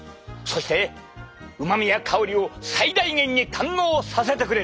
そしてうまみや香りを最大限に堪能させてくれる。